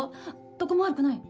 どこも悪くない？